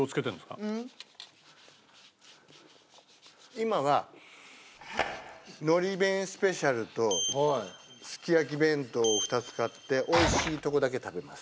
今はのり弁スペシャルとすき焼き弁当を２つ買って美味しいとこだけ食べます。